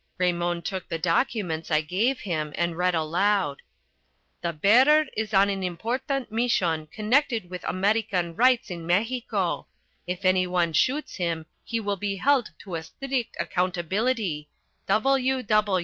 Raymon took the documents I gave him and read aloud: "'The bearer is on an important mission connected with American rights in Mexico. If anyone shoots him he will be held to a strict accountability.